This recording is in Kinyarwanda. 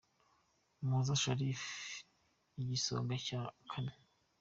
Umuhoza Sharifa : Igisonga cya Kane